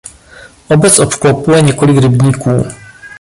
Obec obklopuje několik rybníků.